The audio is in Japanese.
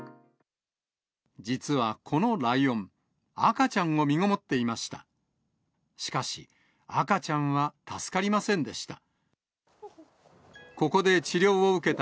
実はこのライオン、赤ちゃんをみごもっていました。